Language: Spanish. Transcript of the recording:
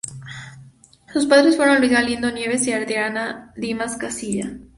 Sus padres fueron Luis Galindo Nieves y Adriana Dimas Casillas.